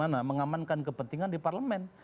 bagaimana mengamankan kepentingan di parlemen